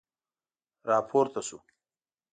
را پورته شو.